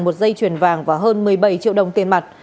một dây chuyền vàng và hơn một mươi bảy triệu đồng tiền mặt